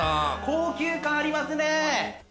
高級感ありますね！